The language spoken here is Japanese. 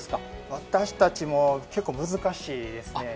私たちも結構難しいですね。